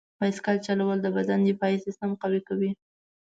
بایسکل چلول د بدن دفاعي سیستم قوي کوي.